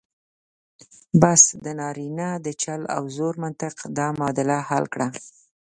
بس د نارینه د چل او زور منطق دا معادله حل کړه.